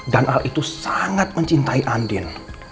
dan al itu sangat mencintai andin